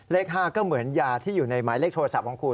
เลข๕ก็เหมือนยาที่อยู่ในหมายเลขโทรศัพท์ของคุณ